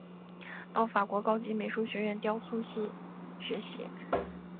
到法国高级美术学院雕塑系学习。